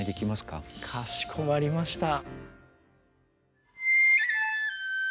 かしこまりました。